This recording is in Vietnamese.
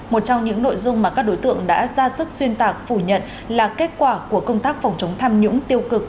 một trong những nội dung mà các đối tượng đã ra sức xuyên tạc phủ nhận là kết quả của công tác phòng chống tham nhũng tiêu cực